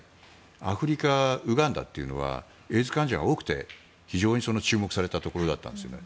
アフリカ、ウガンダというのはエイズ患者が多くて非常に注目されたところだったんですよね。